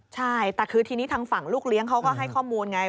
ใช่แต่คือทีนี้ทางฝั่งลูกเลี้ยงเขาก็ให้ข้อมูลไง